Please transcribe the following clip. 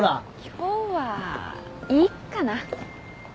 今日はいいかな。